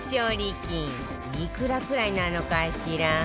いくらくらいなのかしら？